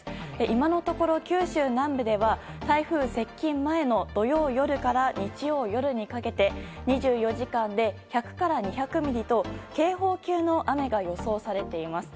今のところ九州南部では台風接近前の土曜夜から日曜夜にかけて２４時間で１００から２００ミリと警報級の雨が予想されています。